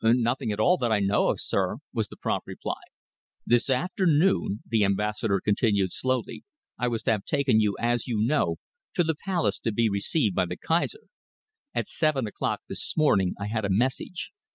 "Nothing at all that I know of, sir," was the prompt reply. "This afternoon," the Ambassador continued slowly, "I was to have taken you, as you know, to the Palace to be received by the Kaiser. At seven o'clock this morning I had a message.